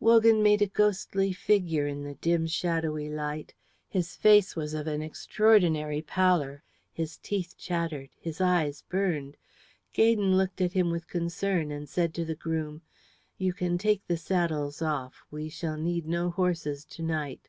Wogan made a ghostly figure in the dim shadowy light. His face was of an extraordinary pallor; his teeth chattered; his eyes burned. Gaydon looked at him with concern and said to the groom, "You can take the saddles off. We shall need no horses to night."